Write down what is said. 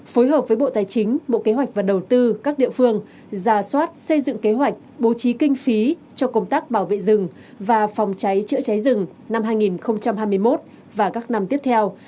phối hợp với bộ tài chính bộ kế hoạch và đầu tư các địa phương ra soát xây dựng kế hoạch bố trí kinh phí cho công tác bảo vệ rừng và phòng cháy chữa cháy rừng năm hai nghìn hai mươi một và các năm tiếp theo